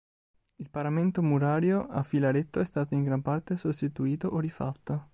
Il paramento murario a filaretto è stato in gran parte sostituito o rifatto.